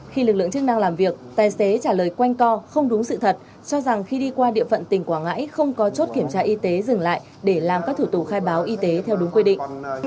khi lực lượng chức năng làm việc tài xế trả lời quanh co không đúng sự thật cho rằng khi đi qua địa phận tỉnh quảng ngãi không có chốt kiểm tra y tế dừng lại để làm các thủ tục khai báo y tế theo đúng quy định